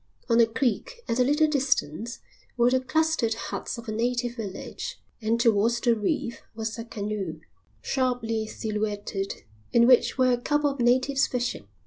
On a creek, at a little distance, were the clustered huts of a native village, and towards the reef was a canoe, sharply silhouetted, in which were a couple of natives fishing.